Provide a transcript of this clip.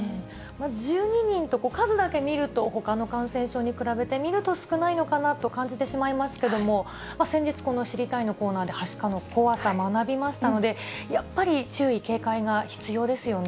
１２人と、数だけ見ると、ほかの感染症に比べてみると少ないのかなと感じてしまいますけれども、先日、この知りたいッ！のコーナーではしかの怖さ、学びましたので、やっぱり注意、警戒が必要ですよね。